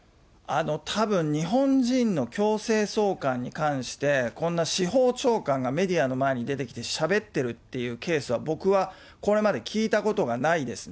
たぶん、日本人の強制送還に関して、こんな司法長官がメディアの前に出てきてしゃべってるっていうケースは、僕はこれまで聞いたことがないですね。